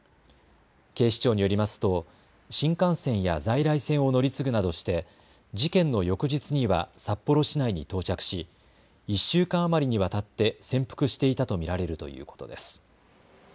警視庁によりますと新幹線や在来線を乗り継ぐなどして事件の翌日には札幌市内に到着し１週間余りにわたって潜伏していたと見られるということです。